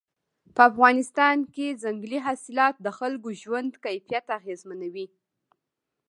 په افغانستان کې ځنګلي حاصلات د خلکو ژوند کیفیت اغېزمنوي.